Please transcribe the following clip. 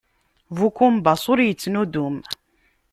Bu ukumbaṣ ur ittnuddum.